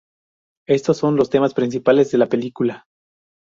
Estos son los temas principales de la película.